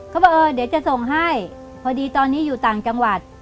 เขาบอกเออเดี๋ยวจะส่งให้พอดีตอนนี้อยู่ต่างจังหวัด